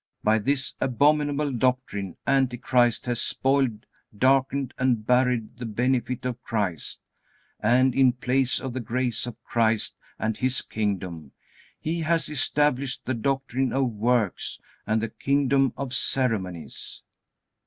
By this abominable doctrine Antichrist has spoiled, darkened, and buried the benefit of Christ, and in place of the grace of Christ and His Kingdom, he has established the doctrine of works and the kingdom of ceremonies.